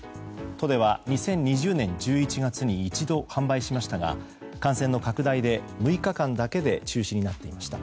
都では２０２０年１１月に一度販売しましたが感染の拡大で６日間だけで中止になっていました。